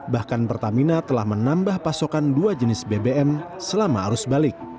bahkan pertamina telah menambah pasokan dua jenis bbm selama arus balik